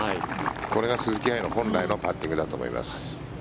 これが鈴木愛の、本来のパッティングだと思います。